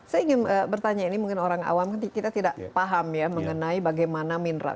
saya ingin bertanya ini mungkin orang awam kita tidak paham ya mengenai bagaimana mineral